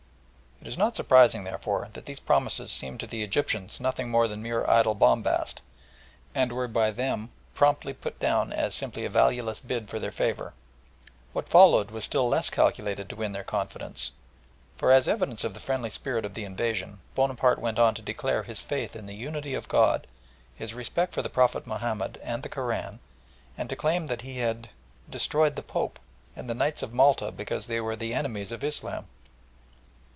It is not surprising, therefore, that these promises seemed to the Egyptians nothing more than mere idle bombast, and were by them promptly put down as simply a valueless bid for their favour. What followed was still less calculated to win their confidence, for, as evidence of the friendly spirit of the invasion, Bonaparte went on to declare his faith in the unity of God, his respect for the Prophet Mahomed and the Koran, and to claim that he had "destroyed the Pope" and the Knights of Malta because they were the enemies of Islam.